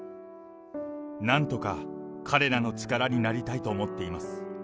なんとか彼らの力になりたいと思っています。